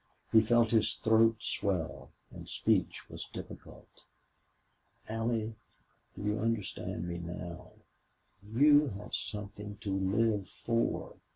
He felt his throat swell, and speech was difficult. "Allie, do you understand me now? You have something to live for!...